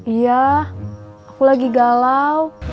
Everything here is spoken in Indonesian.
iya aku lagi galau